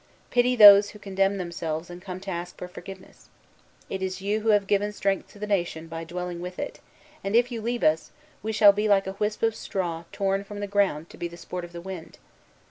Pity those who condemn themselves and come to ask forgiveness. It is you who have given strength to the nation by dwelling with it; and if you leave us, we shall be like a wisp of straw torn from the ground to be the sport of the wind.